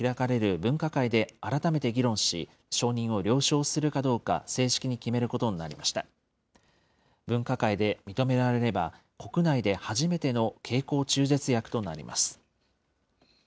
分科会で認められれば、国内で初めての経口中絶薬となります。